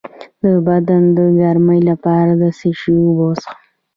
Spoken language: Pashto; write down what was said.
د بدن د ګرمۍ لپاره د څه شي اوبه وڅښم؟